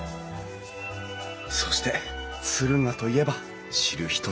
そして敦賀といえば知る人ぞ知る